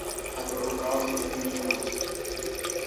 Ata provocaba situacións como esta.